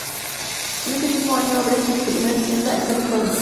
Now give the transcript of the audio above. Ese mismo año abre su primera tienda en California.